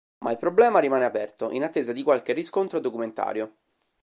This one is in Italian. Ma il problema rimane aperto, in attesa di qualche riscontro documentario.